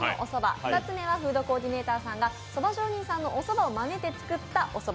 ２つ目はフードコーディネーターさんが蕎上人のそばをまねして作ったおそば。